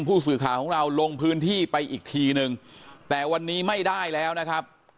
ผู้สื่อข่าวของเราลงพื้นที่ไปอีกทีนึงแต่วันนี้ไม่ได้แล้วนะครับ